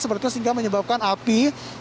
seperti itu sehingga menyebabkan api